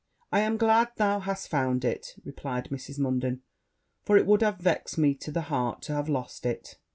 'I am glad thou hast found it,' replied Mrs. Munden; 'for it would have vexed me to the heart to have lost it.'